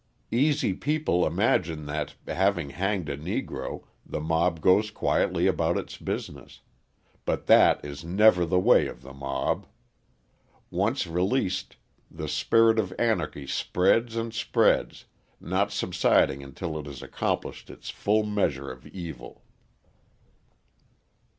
Easy people imagine that, having hanged a Negro, the mob goes quietly about its business; but that is never the way of the mob. Once released, the spirit of anarchy spreads and spreads, not subsiding until it has accomplished its full measure of evil.